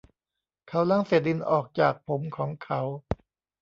เขาล้างเศษดินออกจากผมของเขา